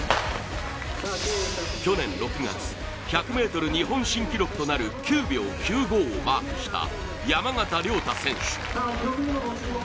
去年６月、１００ｍ日本新記録となる９秒９５をマークした山縣亮太選手。